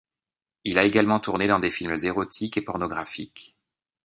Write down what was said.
Il a également tourné dans des films érotiques et pornographiques.